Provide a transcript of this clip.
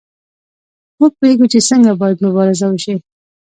موږ پوهیږو چې څنګه باید مبارزه وشي.